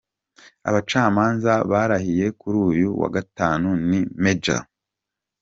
Abacamanza barahiye kuri uyu wa Gatanu ni Maj.